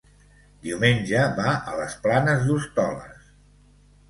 Diumenge va a les Planes d'Hostoles.